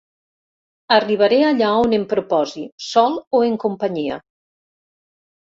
Arribaré allà on em proposi, sol o en companyia.